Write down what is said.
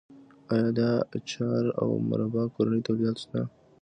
آیا د اچار او مربا کورني تولیدات شته؟